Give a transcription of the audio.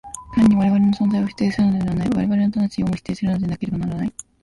単に我々の存在を否定するのではない、我々の魂をも否定するのでなければならない。